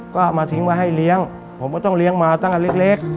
ก็เอามาทิ้งไว้ให้เลี้ยงผมก็ต้องเลี้ยงมาตั้งแต่เล็ก